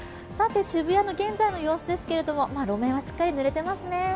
渋谷の現在の様子ですけれども路面はしっかりぬれていますね。